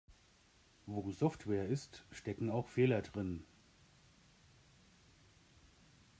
Wo Software ist, stecken auch Fehler drinnen.